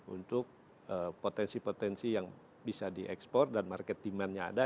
untuk potensi potensi yang bisa diekspor dan market demandnya ada